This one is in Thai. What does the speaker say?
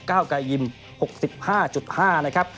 ก้าวกายยิม๖๕๕กิโลกรัมนะครับ